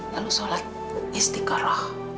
lalu sholat istiqarah